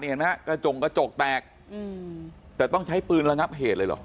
เห็นไหมฮะกระจงกระจกแตกแต่ต้องใช้ปืนระงับเหตุเลยเหรอ